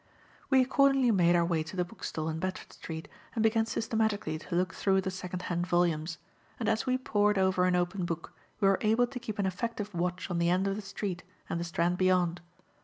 We accordingly made our way to the bookstall in Bedford Street and began systematically to look through the second hand volumes; and as we pored over an open book, we were able to keep an effective watch on the end of the street and the Strand beyond.